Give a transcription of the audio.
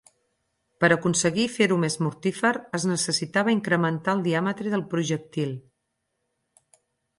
Per aconseguir fer-ho més mortífer es necessitava incrementar el diàmetre del projectil.